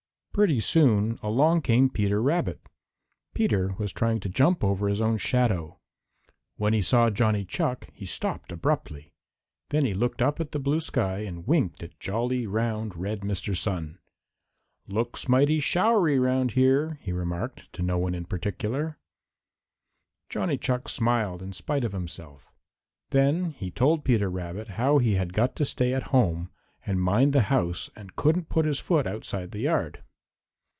Pretty soon along came Peter Rabbit. Peter was trying to jump over his own shadow. When he saw Johnny Chuck he stopped abruptly. Then he looked up at the blue sky and winked at jolly, round, red Mr. Sun. "Looks mighty showery 'round here," he remarked to no one in particular. Johnny Chuck smiled in spite of himself. Then he told Peter Rabbit how he had got to stay at home and mind the house and couldn't put his foot outside the yard.